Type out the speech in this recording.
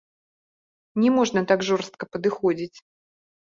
Не можна так жорстка падыходзіць.